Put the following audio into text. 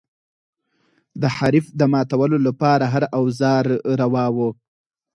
د حریف د ماتولو لپاره هر اوزار روا و.